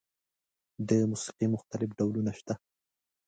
د موسیقۍ مختلف ډولونه شته.